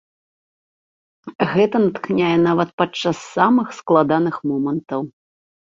Гэта натхняе нават падчас самых складаных момантаў!